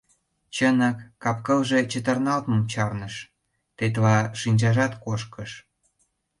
Чынак, кап-кылже чытырналтмым чарныш, тетла шинчажат кошкыш.